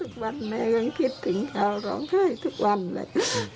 ใจมากทุกวันแม่ก็คิดถึงเขาร้องไห้ทุกวันเลย